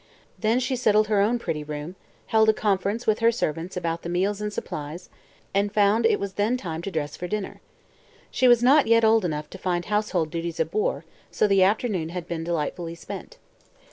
Then she settled her own pretty room, held a conference with her servants about the meals and supplies, and found it was then time to dress for dinner. She was not yet old enough to find household duties a bore, so the afternoon had been delightfully spent.